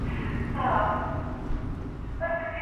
وترنري پوهنځۍ په ناسمه توګه نه رهبري کیږي.